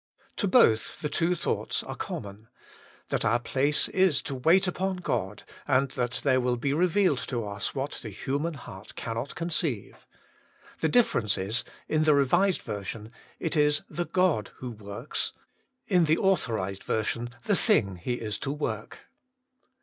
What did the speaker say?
To both the two thoughts are common : that our place is to wait upon God, and that there will be revealed to us what the human heart cannot conceive — ^the difference is : in the R.V. it is the God who works, in the A.V. the thing He is to work.